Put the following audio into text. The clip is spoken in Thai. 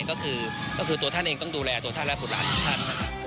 ก็คือตัวท่านเองต้องดูแลตัวท่านและบุตรหลานอีกท่าน